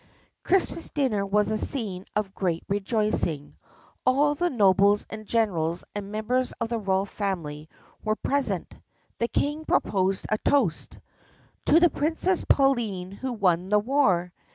Christmas dinner was a scene of great rejoicing. All the nobles and generals and members of the royal family were pres ent. The King proposed a toast: "To the Princess Pauline who won the war!